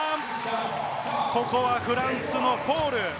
ここはフランスのフォール。